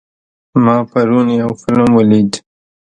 ما پرون یو فلم ولید.